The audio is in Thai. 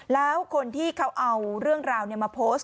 แล้วคนที่เขาเอาเรื่องราวมาโพสต์